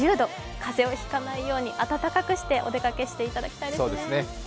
風邪を引かないように、暖かくしてお出かけいただきたいですね。